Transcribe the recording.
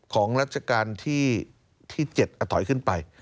ของราชการที่๗ถอยขึ้นไป